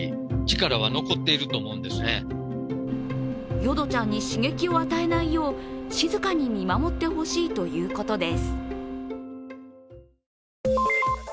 ヨドちゃんに刺激を与えないよう静かに見守ってほしいということです。